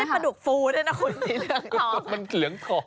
ไม่ใช่ประดุกฟูด้วยนะคุณสีเหลืองทอง